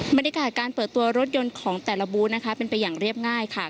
บรรยากาศการเปิดตัวรถยนต์ของแต่ละบูธนะคะเป็นไปอย่างเรียบง่ายค่ะ